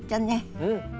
うん。